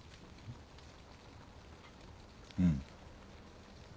うん。